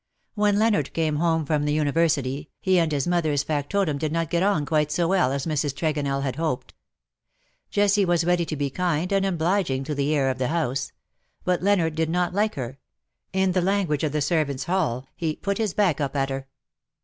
When Leonard came home from the Uni versity^ he and his mother^s factotum did not get on quite so well as Mrs. Tregonell had hoped. Jessie was ready to be kind and obliging to the heir of the house ; but Leonard did not like her — in the language of the servant^s hall, he '^put his back up at her.""